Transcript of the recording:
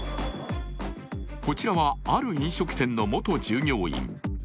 こちらはある飲食店の元従業員。